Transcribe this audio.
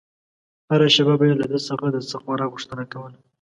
هره شېبه به يې له ده د څه خوراک غوښتنه کوله.